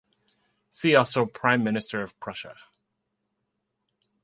See also Prime Minister of Prussia.